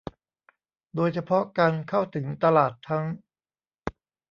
โดยเฉพาะการเข้าถึงตลาดทั้ง